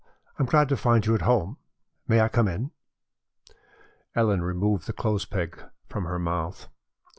"I am glad to find you at home. May I come in?" Ellen removed the clothes peg from her mouth.